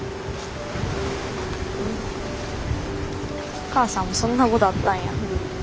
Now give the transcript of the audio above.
お母さんもそんなことあったんや。